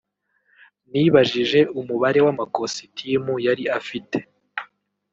nibajije umubare w’amakositimu yari afite